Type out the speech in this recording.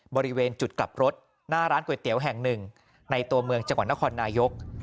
บริเวณจุดกลับรถหน้าร้านก๋วยเตี๋ยวแห่งหนึ่งในตัวเมืองจังหวัดนครนายก